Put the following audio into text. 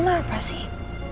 nenek tuh kenapa sih